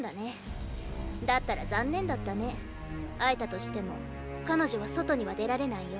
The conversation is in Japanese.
だったら残念だったね会えたとしても彼女は外には出られないよ。